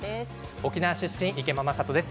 沖縄出身の池間昌人です。